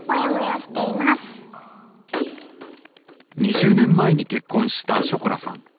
２０年前に結婚したショコラさん。